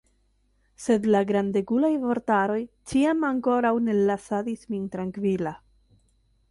Sed la grandegulaj vortaroj ĉiam ankoraŭ ne lasadis min trankvila.